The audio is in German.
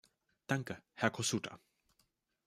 Danke, Herr Cossutta.